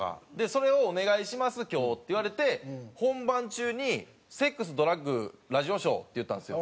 「それをお願いします今日」って言われて本番中に「セックスドラッグ『ラジオショー』」って言ったんですよ。